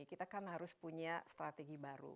kita kan harus punya strategi baru